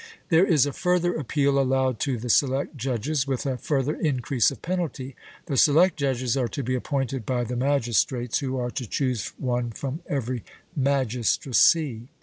There is a further appeal allowed to the select judges, with a further increase of penalty. The select judges are to be appointed by the magistrates, who are to choose one from every magistracy.